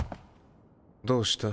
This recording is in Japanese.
どうした？